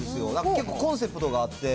結構コンセプトがあって。